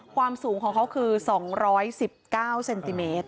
ความสูงของเขาคือ๒๑๙เซนติเมตร